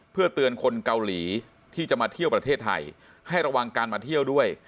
เพื่อเตือนคนเกาหลีที่จะมาเที่ยวประเทศไทยให้ระวังการมาเที่ยวด้วย